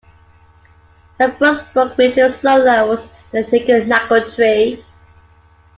Her first book written solo was "The Nickle Nackle Tree".